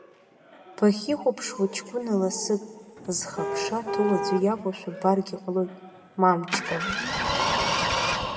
Бахьихәаԥшуа ҷкәына ласык, зхы аԥша ҭоу аӡәы иакәушәа ббаргьы ҟалоит, мамчка.